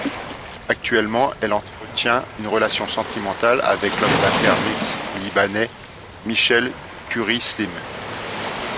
Actuellement, elle entretient une relation sentimentale avec l'homme d'affaires mexico-libanais Michel Kuri Slim.